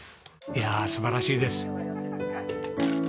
いやあ素晴らしいです。